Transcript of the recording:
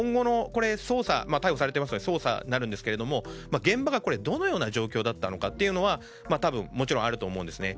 逮捕されていますから今後の捜査になるんですが現場がどのような状況だったかは多分、もちろんあると思います。